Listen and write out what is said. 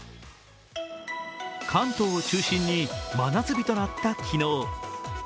関東を中心に真夏日となった昨日。